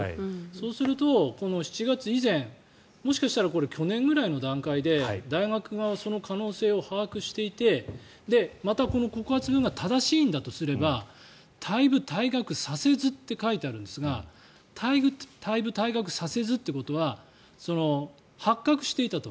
そうすると、７月以前もしかしたら去年ぐらいの段階で大学側はその可能性を把握していてまたこの告発文が正しいんだとすれば退部、退学させずって書いてあるんですが退部、退学させずということはそれは発覚していたと。